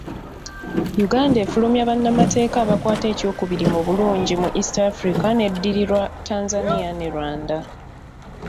Uganda efulumya bannamateeka abakwata ekyokubiri mu bulungi mu East Africa n'eddirirwa Tanzania ne Rwanda.